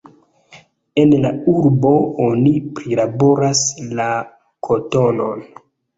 En la urbo oni prilaboras la kotonon.